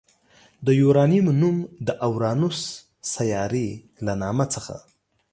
د یوارنیمو نوم د اورانوس سیارې له نامه څخه